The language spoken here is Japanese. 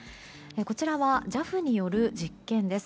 こちらはＪＡＦによる実験です。